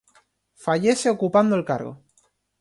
Fallece ocupando el cargo.